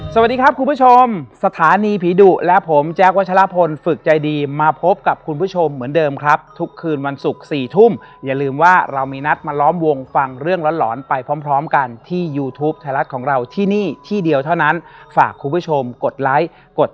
สวัสดีครับคุณผู้ชมสถานีผีดุและผมแจ๊ควัชลพลฝึกใจดีมาพบกับคุณผู้ชมเหมือนเดิมครับทุกคืนวันศุกร์๔ทุ่มอย่าลืมว่าเรามีนัดมาล้อมวงฟังเรื่องหลอนไปพร้อมพร้อมกันที่ยูทูปไทยรัฐของเราที่นี่ที่เดียวเท่านั้นฝากคุณผู้ชมกดไลค์กด